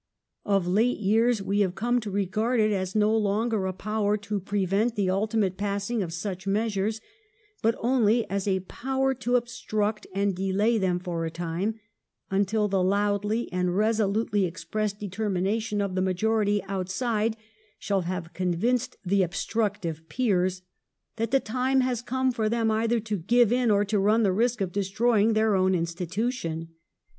Of late years we have come to regard it as no longer a power to prevent the ultimate passing of such measures, but only as a power to obstruct and delay them for a time, until the loudly and resolutely expressed determination of the majority outside shall have convinced the obstructive Peers that the time has come for them either to give in or to run the risk of destroying their own institution.